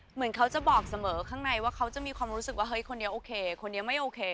เหมือนเขาจะบอกเสมอข้างในว่าเขาจะมีความรู้สึกว่าเฮ้ยคนนี้โอเคคนนี้ไม่โอเค